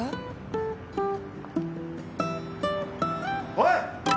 ・おい！